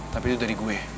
tapi itu dari gue